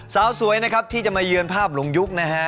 สาวสวยนะครับที่จะมาเยือนภาพหลวงยุคนะฮะ